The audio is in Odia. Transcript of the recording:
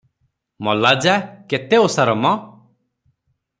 ମଲା ଯା - କେତେ ଓସାର ମ!